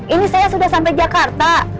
ini saya sudah sampai jakarta